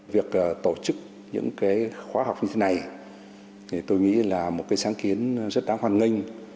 việc tổ chức những khóa học như thế này tôi nghĩ là một sáng kiến rất đáng hoàn thiện